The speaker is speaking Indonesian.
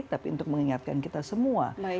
tapi untuk mengingatkan kita semua